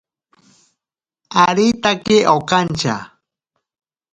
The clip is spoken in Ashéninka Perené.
Aritake okantya.